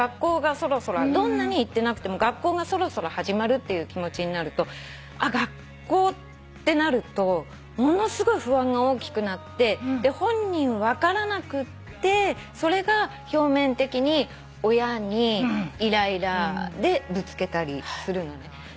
どんなに行ってなくても学校がそろそろ始まるっていう気持ちになると学校ってなるとものすごい不安が大きくなって本人分からなくってそれが表面的に親にイライラでぶつけたりするのね。